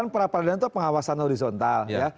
pertama peradilan itu pengawasan horizontal ya